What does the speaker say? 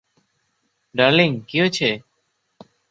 Darling কি হয়েছে?